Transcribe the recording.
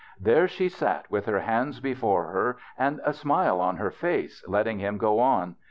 There she sat with her hands before her and a smile on her face, letting him go on.